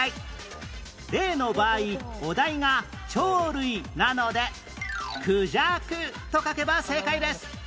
例の場合お題が鳥類なので「くじゃく」と書けば正解です